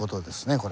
これ。